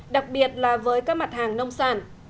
đặc biệt là với các mặt hàng nông sản